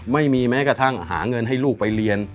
ไม่มีแม้กระทั่งหาเงินให้ลูกไปเรียน